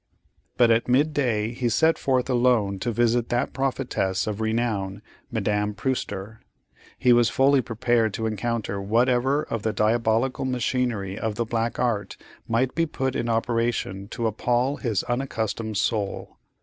But at midday he set forth alone to visit that prophetess of renown, Madame Prewster. He was fully prepared to encounter whatever of the diabolical machinery of the black art might be put in operation to appal his unaccustomed soul.